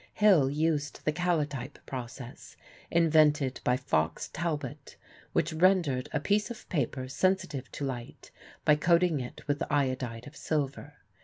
Hill used the calotype process, invented by Fox Talbot, which rendered a piece of paper sensitive to light by coating it with iodide of silver.